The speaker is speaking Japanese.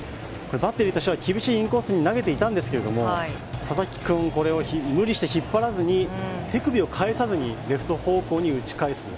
バッテリーとしては厳しいインコースに投げていましたが佐々木君これを無理せず手首を返さずにレフト方向に。